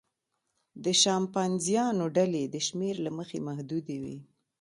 د شامپانزیانو ډلې د شمېر له مخې محدودې وي.